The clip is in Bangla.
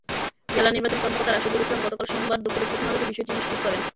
জেলা নির্বাচন কর্মকর্তা রাশেদুল ইসলাম গতকাল সোমবার দুপুরে প্রথম আলোকে বিষয়টি নিশ্চিত করেন।